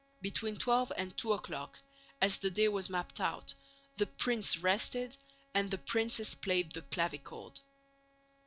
Between twelve and two o'clock, as the day was mapped out, the prince rested and the princess played the clavichord.